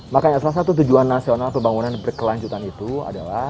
makanya salah satu tujuan nasional pembangunan berkelanjutan itu adalah